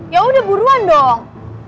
ya udah buruan dong